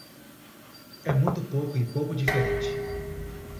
É muito pouco e pouco diferente.